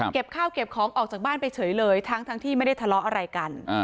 เก็บข้าวเก็บของออกจากบ้านไปเฉยเลยทั้งที่ไม่ได้ทะเลาะอะไรกัน